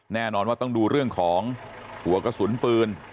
แน่นอนว่าต้องดูเรื่องของหัวกระสุนปืน